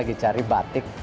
lagi cari batik